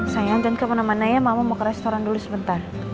saya antun kemana mana ya mama mau ke restoran dulu sebentar